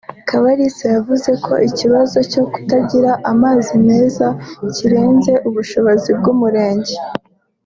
Kabalisa yavuze ko ikibazo cyo kutagira amazi meza kirenze ubushobozi bw’umurenge